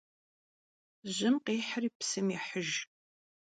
Жьым къихьыр псым ехьыж.